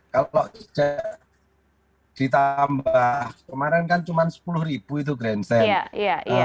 kalau ditambah kemarin kan cuma sepuluh ribu itu grandstand